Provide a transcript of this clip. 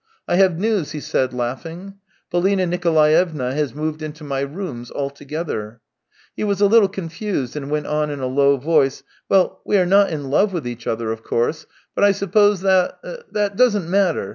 " I have news," he said, laughing. " Polina Nikolaevna has moved into my rooms altogether." He was a little confused, and went on in a low voice: " Well, we are not in love with each other, of course, but I suppose that ... that doesn't matter.